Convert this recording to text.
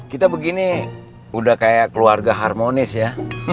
kita begini udah kayak keluarga harmonis ya